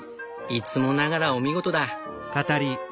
いつもながらお見事だ。